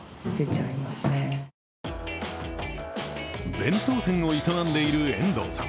弁当店を営んでいる遠藤さん。